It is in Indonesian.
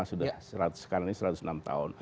sekarang ini satu ratus enam tahun